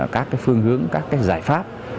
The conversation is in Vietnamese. các phương hướng các giải pháp